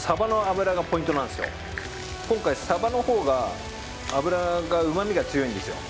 今回サバの方が脂が旨味が強いんですよ